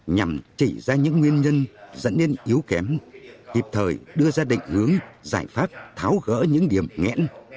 nhằm chỉ ra những nguyên nhân dẫn đến yếu kém kịp thời đưa ra định hướng giải pháp tháo gỡ những điểm nghẽn